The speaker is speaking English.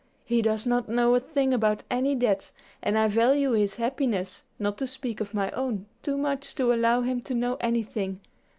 He does not know a thing about any debts and I value his happiness, not to speak of my own, too much to allow him to know anything.